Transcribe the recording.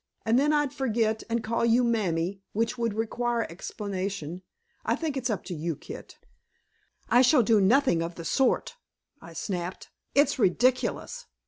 And then I'd forget and call you 'mammy,' which would require explanation. I think it's up to you, Kit." "I shall do nothing of the sort!" I snapped. "It's ridiculous!"